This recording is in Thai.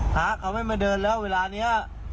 หากเขาไม่มาเดินแล้วเวลานี้